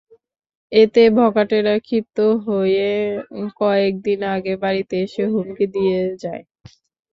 এতে বখাটেরা ক্ষিপ্ত হয়ে কয়েক দিন আগে বাড়িতে এসে হুমকি দিয়ে যায়।